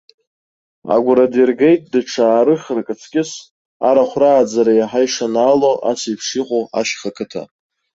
Агәра диргеит, даҽа аарыхрак аҵкьыс, арахә рааӡара иаҳа ишанаало асеиԥш иҟоу ашьха қыҭа.